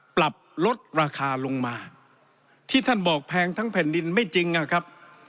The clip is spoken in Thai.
ปรับลดราคาลงมาที่ท่านบอกแพงทั้งแผ่นดินไม่จริงนะครับ